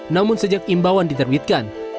namun sejak imbauan diterbitkan